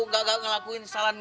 gak gak ngelakuin kesalahan